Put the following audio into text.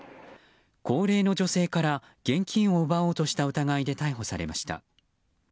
高齢の女性から現金を奪おうとした疑いで逮捕されました。